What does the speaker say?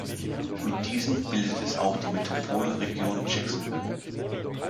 Mit diesen bildet es auch die Metropolregion Jacksonville.